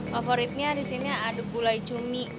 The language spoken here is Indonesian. favoritnya disini aduk gulai cumi